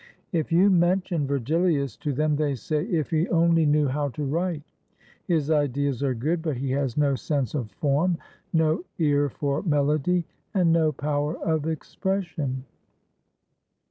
If you mention Vergilius to them, they say: " If he only knew how to write. His ideas are good, but he has no sense of form, no ear for melody, and no power of expression."